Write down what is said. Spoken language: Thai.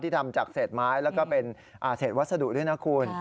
ทำจากเศษไม้แล้วก็เป็นเศษวัสดุด้วยนะคุณ